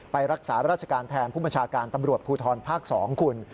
ไปรักษาราชการแทนผู้บัญชาการตำรวจภูทรภาค๒คุณ